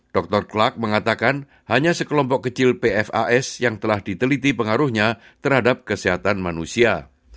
dr klak mengatakan hanya sekelompok kecil pfas yang telah diteliti pengaruhnya terhadap kesehatan manusia